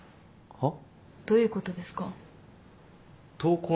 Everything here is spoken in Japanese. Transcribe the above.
はっ！？